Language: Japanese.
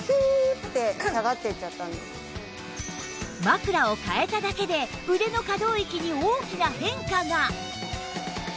枕を替えただけで腕の可動域に大きな変化が！